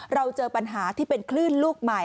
เราเจอปัญหาที่เป็นคลื่นลูกใหม่